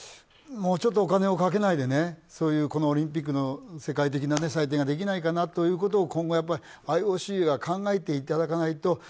もうちょっとお金をかけないでオリンピックの世界的な祭典ができないかなということを今後、ＩＯＣは考えていただかないと。